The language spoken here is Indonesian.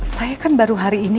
saya kan baru hari ini